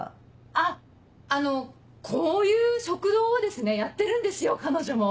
あっあのこういう食堂をですねやってるんですよ彼女も。